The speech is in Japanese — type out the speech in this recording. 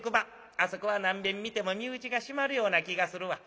あそこは何べん見ても身内が締まるような気がするわ。